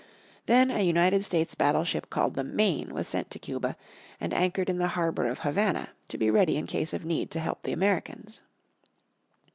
Then a United States battleship called the Maine was sent to Cuba, and anchored in the harbour of Havana, to be ready in case of need to help the Americans.